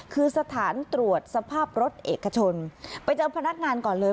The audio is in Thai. คือสถานตรวจสภาพรถเอกชนไปเจอพนักงานก่อนเลย